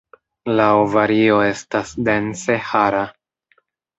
La ovario estas dense hara.